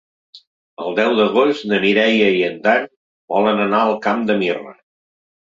El deu d'agost na Mireia i en Dan volen anar al Camp de Mirra.